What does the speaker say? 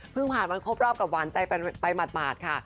ผ่านวันครบรอบกับหวานใจไปหมาดค่ะ